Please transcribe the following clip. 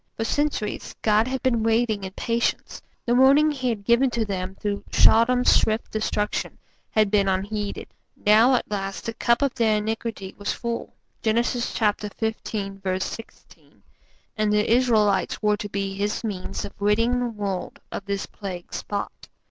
For centuries God had been waiting in patience; the warning He had given to them through Sodom's swift destruction had been unheeded; now at last the cup of their iniquity was full (Genesis xv. 16) and the Israelites were to be His means of ridding the world of this plague spot.